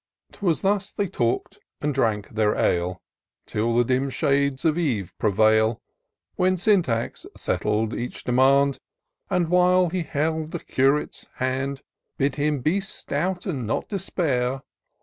'Twas thus they talk'd and drank their ale. Till the dim shades of eve prevail. When Syntax settled each demand ; And, while he held the Curate's hand. Bid him be stout, and not despair.